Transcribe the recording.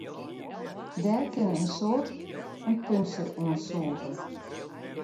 Dêr kinne in soad in puntsje oan sûge.